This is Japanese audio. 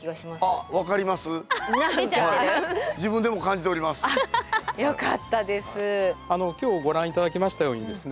あっよかったです。